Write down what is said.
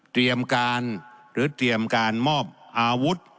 เตรียมการหรือเตรียมการมอบอาวุธ